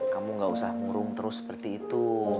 kamu gak usah ngurung terus seperti itu